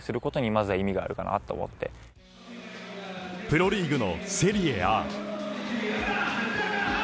プロリーグのセリエＡ。